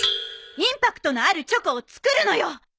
インパクトのあるチョコを作るのよ！